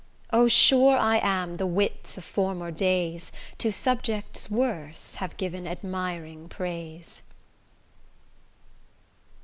O! sure I am the wits of former days, To subjects worse have given admiring praise.